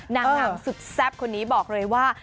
นางงามสุดแซ่บคนนี้บอกเลยว่า